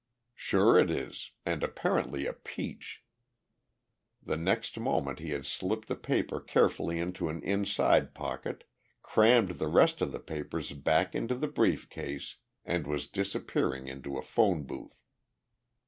"Sure it is and apparently a peach." The next moment he had slipped the paper carefully into an inside pocket, crammed the rest of the papers back into the brief case, and was disappearing into a phone booth.